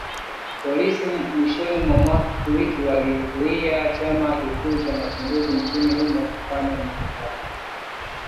Polisi mwishoni mwa wiki walikizuia chama kikuu cha upinzani nchini humo kufanya mikutano